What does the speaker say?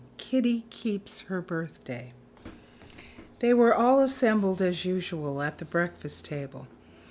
Kitty Keeps Her Birthday. They were all assembled as usual at the breakfast table.